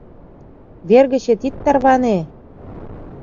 — Вер гычет ит тарване!